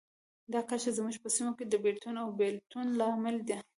دا کرښه زموږ په سیمو کې د بېلتون او بیلتون لامل ده.